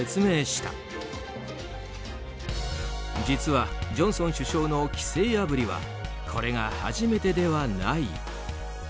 実は、ジョンソン首相の規制破りはこれが初めてではない。